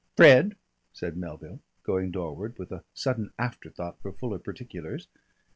"Fred!" said Melville, going doorward with a sudden afterthought for fuller particulars.